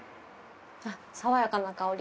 あっさわやかな香り。